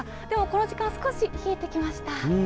でもこの時間、少し冷えてきました。